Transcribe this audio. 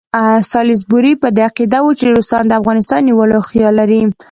سالیزبوري په دې عقیده وو چې روسان د افغانستان نیولو خیال لري.